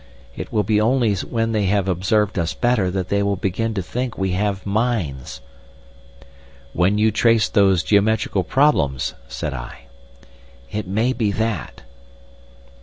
It will be only when they have observed us better that they will begin to think we have minds—" "When you trace those geometrical problems," said I. "It may be that."